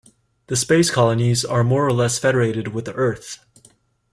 The space colonies are more or less federated with the Earth.